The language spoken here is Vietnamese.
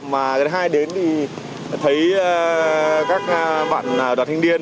mà thứ hai đến thì thấy các bạn đoạt hình điên